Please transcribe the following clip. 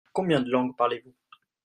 Combien de langues parlez-vous ?